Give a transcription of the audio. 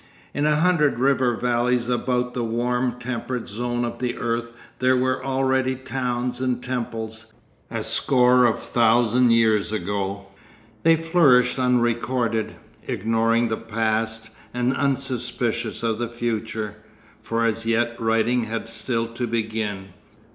In a hundred river valleys about the warm, temperate zone of the earth there were already towns and temples, a score of thousand years ago. They flourished unrecorded, ignoring the past and unsuspicious of the future, for as yet writing had still to begin.